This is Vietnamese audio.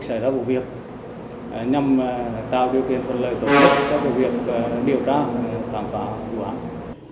xảy ra vụ việc nhằm tạo điều kiện thuận lợi tổ chức cho vụ việc điều tra tạm phá vụ án